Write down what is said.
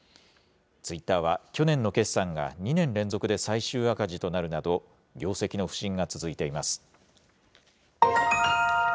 ツイッターは去年の決算が２年連続で最終赤字となるなど、業績の不振が続いています。